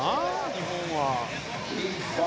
日本は。